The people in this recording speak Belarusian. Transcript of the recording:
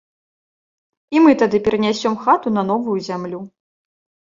І мы тады перанясём хату на новую зямлю.